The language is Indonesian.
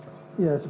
ya sebagai penerimaan